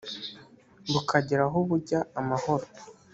bukagera aho bujya amahoro